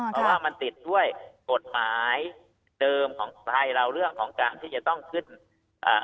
เพราะว่ามันติดด้วยกฎหมายเดิมของไทยเราเรื่องของการที่จะต้องขึ้นอ่า